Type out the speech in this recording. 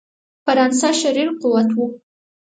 فرانسه شریر قوت وو.